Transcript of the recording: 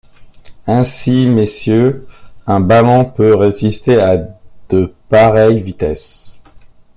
Ainsi, messieurs, un ballon peut résister à de pareilles vitesses.